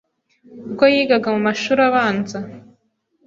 ubwo yigaga mu mashuri abanza